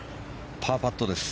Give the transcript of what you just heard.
パーパットです。